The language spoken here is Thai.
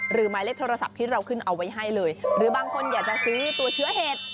หมายเลขโทรศัพท์ที่เราขึ้นเอาไว้ให้เลยหรือบางคนอยากจะซื้อตัวเชื้อเห็ด